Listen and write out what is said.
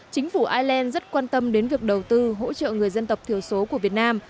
chính phủ ireland rất quan tâm đến việc đầu tư hỗ trợ người dân tộc thiểu số của việt nam